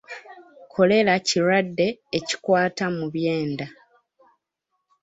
Kkolera kirwadde ekikwata mu byenda.